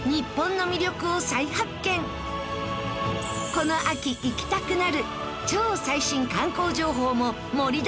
この秋行きたくなる超最新観光情報も盛りだくさんです。